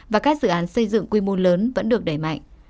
và các dự án xây dựng quy mô lớn vẫn được đẩy mạnh